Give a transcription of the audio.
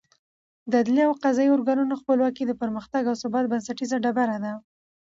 د عدلي او قضايي ارګانونو خپلواکي د پرمختګ او ثبات بنسټیزه ډبره ده.